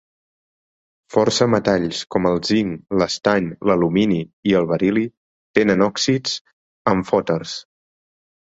Força metalls, com el zinc, l'estany, l'alumini i el beril·li, tenen òxids amfòters.